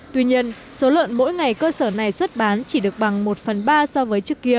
tuy nhiên số lợn mỗi ngày cơ sở này xuất bán chỉ được bằng một phần ba so với trước kia